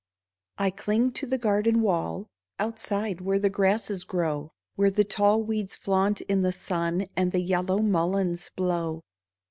I CLING to the garden wall Outside, where the grasses grow ; Where the tall weeds flaunt in the sun, And the yellow mulleins blow.